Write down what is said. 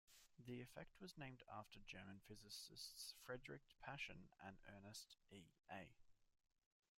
The effect was named after the German physicists Friedrich Paschen and Ernst E. A.